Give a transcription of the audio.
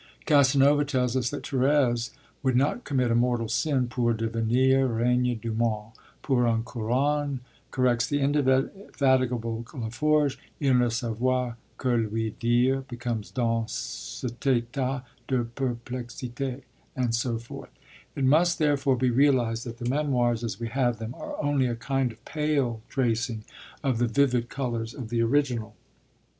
_ Casanova tell us that Thérèse would not commit a mortal sin pour devenir reine du monde: pour une couronne, corrects the indefatigable Laforgue. Il ne savoit que lui dire becomes Dans cet état de perplexité; and so forth. It must, therefore, be realised that the Memoirs, as we have them, are only a kind of pale tracing of the vivid colours of the original.